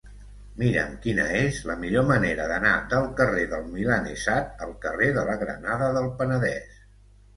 Mira'm quina és la millor manera d'anar del carrer del Milanesat al carrer de la Granada del Penedès.